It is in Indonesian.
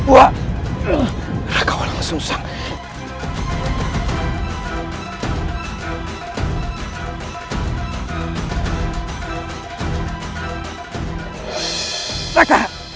wah aku langsung susah